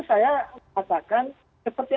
saya katakan seperti